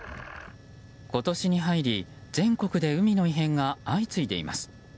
今年に入り全国で海の異変が相次いでいます。